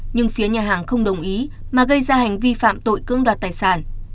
nhưng phía nhà hàng không đồng ý mà gây ra hành vi phạm tội cưỡng đoạt tài sản